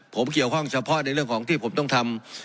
ผมเกี่ยวข้องเฉพาะในเรื่องของที่ผมต้องทำ